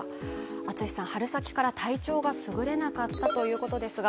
ＡＴＳＵＳＨＩさん、春先から体調がすぐれなかったということですが。